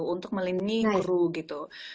untuk melindungi guru